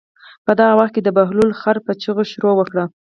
په دغه وخت کې د بهلول خر په چغو شروع وکړه.